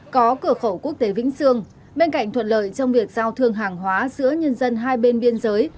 có cửa khẩu quốc tế vĩnh sương bên cạnh thuận lợi trong việc giao thương hàng hóa giữa nhân dân hai bên biên giới